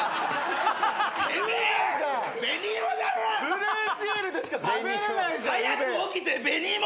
ブルーシールでしか食べれないじゃんウベ。